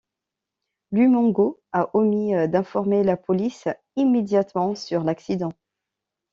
Lumengo a omis d’informer la police immédiatement sur l’accident.